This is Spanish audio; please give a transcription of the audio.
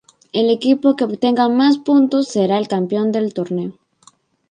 El equipo que obtenga más puntos será el campeón del torneo.